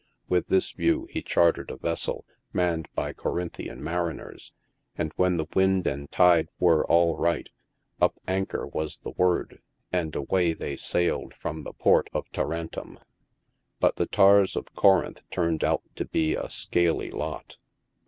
With this view he chartered a vessel, manned by Corinthian mariners, and when the wind and tide were all right, up anchor was the word, and away they sailed from the port of Tarentum. But the tars of Co rinth turned oat to be a scaly lot.